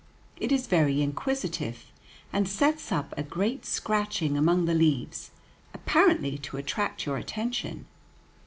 It is very inquisitive, and sets up a great scratching among the leaves, apparently to attract your attention.